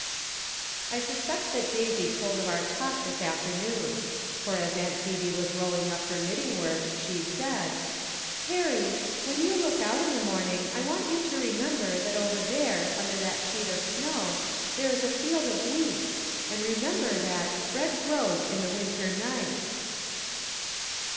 I suspect that Daisy told of our talk tliis after noon ; for, as Aunt Phebe was rolling up her knitting work, she said :" Perry, when j ou look out in the morning, I want you to remember that over there, under that sheet of snow, there is a field of wheat, and remember that ' Bread grows in the winter= night.'